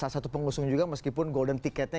satu pengusung juga meskipun golden ticket nya